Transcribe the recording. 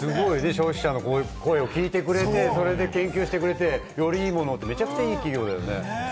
消費者の声を聞いてくれて、研究してくれて、よりいいものをとめちゃめちゃいい企業だね。